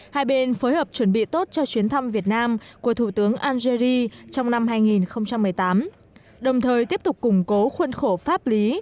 hai bên phối hợp chuẩn bị tốt cho chuyến thăm việt nam của thủ tướng algeri trong năm hai nghìn một mươi tám đồng thời tiếp tục củng cố khuôn khổ pháp lý